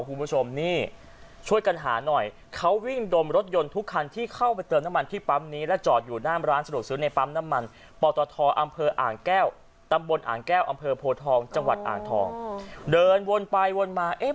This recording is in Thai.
คุณผู้ชมนี่ช่วยกันหาหน่อยเขาวิ่งดมรถยนต์ทุกคันที่เข้าไปเติมน้ำมันที่ปั๊มนี้และจอดอยู่หน้าร้านสะดวกซื้อในปั๊มน้ำมันปตทอำเภออ่างแก้วตำบลอ่างแก้วอำเภอโพทองจังหวัดอ่างทองเดินวนไปวนมาเอ๊ะ